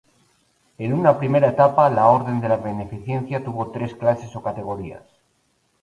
En una primera etapa, la Orden de la Beneficencia tuvo tres clases o categorías.